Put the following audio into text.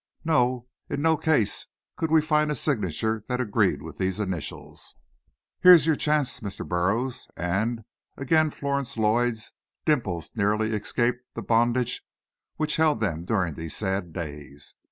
"No; in no case could we find a signature that agreed with these initials." "Here's your chance, Mr. Burroughs," and again Florence Lloyd's dimples nearly escaped the bondage which held them during these sad days.